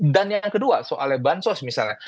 dan yang kedua soal bansos misalnya